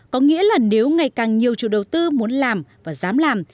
có nghĩa là nếu ngày càng nhiều chủ đầu tư muốn làm và dám làm